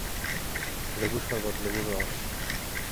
লেবুর শরবত, লেবুর রস।